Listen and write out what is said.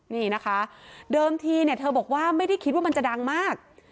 นี่นะคะเดิมทีเนี่ยเธอบอกว่าไม่ได้คิดว่ามันจะดังมาก